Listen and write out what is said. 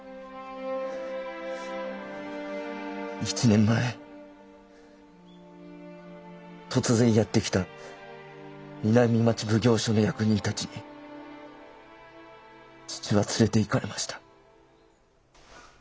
１年前突然やって来た南町奉行所の役人たちに父は連れていかれました。